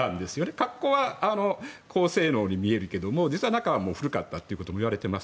格好は高性能に見えるけれども中は古かったこともいわれています。